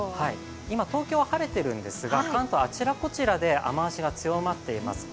今、東京は晴れているんですが関東あちらこちらで雨足が強まっています。